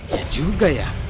ya juga ya